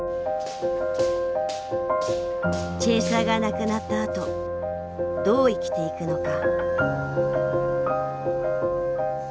チェーサーがなくなったあとどう生きていくのか。